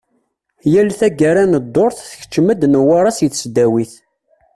Yal taggara n ddurt, tkeččem-d Newwara si tesdawit.